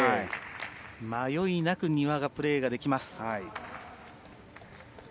迷いなく丹羽がプレーできます。